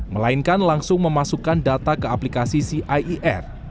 melainkan langsung memasukkan data ke aplikasi cier